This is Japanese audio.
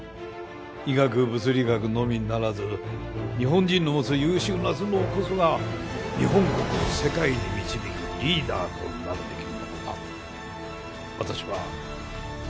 医学物理学のみならず日本人の持つ優秀な頭脳こそが日本国を世界に導くリーダーとなるべきものだと私は考えます。